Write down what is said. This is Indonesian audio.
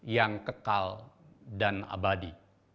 yang kekal dan abadi